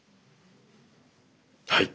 はい。